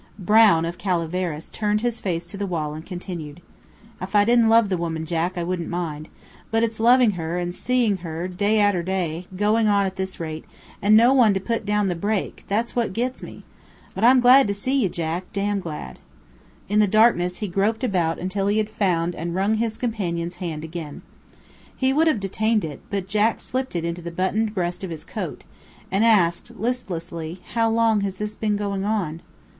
Brown of Calaveras turned his face to the wall and continued: "If I didn't love the woman, Jack, I wouldn't mind. But it's loving her, and seeing her, day arter day, goin' on at this rate, and no one to put down the brake; that's what gits me! But I'm glad to see ye, Jack, damn glad." In the darkness he groped about until he had found and wrung his companion's hand again. He would have detained it, but Jack slipped it into the buttoned breast of his coat, and asked, listlessly, "How long has this been going on?"